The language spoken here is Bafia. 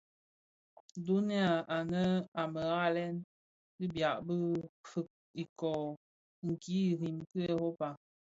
Dho anë a më ghalèn, fidyab fi ikōō, kiň biriň ki Europa.